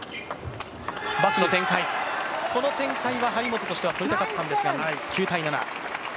この展開は張本としては取りたかったんですが。